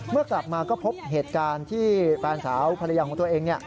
เมื่อกลับมาก็พบเหตุการณ์ที่แฟนสาวภรรยาของตัวเอง